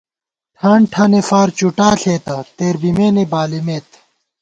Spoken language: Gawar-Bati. ٹھان ٹھانېفار چُٹا ݪېتہ ، تېر بِمېنے بالِمېت